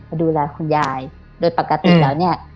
ดูแลคุณยายโดยปกติแล้วเนี่ย